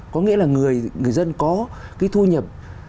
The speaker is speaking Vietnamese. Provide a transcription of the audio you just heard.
có nghĩa là người dân có cái thu nhập